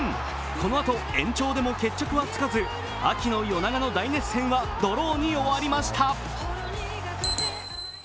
このあと延長でも決着はつかず秋の夜長の大熱戦はドローに終わりました。